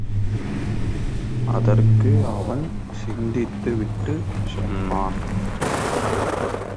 அதற்கு அவன் சிந்தித்துவிட்டு சொன்னான்.